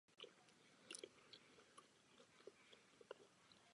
Do teplých oblastí mírného pásu přesahuje tento druh i na Novém Zélandu.